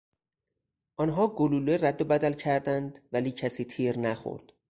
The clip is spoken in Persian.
آنها گلوله رد و بدل کردند ولی کسی تیر نخورد.